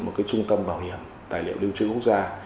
một cái trung tâm bảo hiểm tài liệu lưu trữ quốc gia